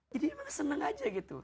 jadi emang seneng aja gitu